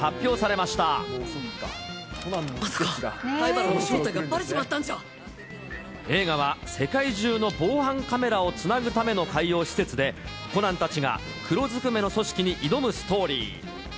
まさか灰原の正体がばれてし映画は世界中の防犯カメラをつなぐための海洋施設で、コナンたちが黒ずくめの組織に挑むストーリー。